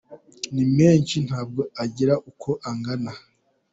Ni menshi ntabwo agira uko agana."